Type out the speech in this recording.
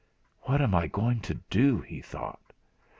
'What am I going to do?' he thought.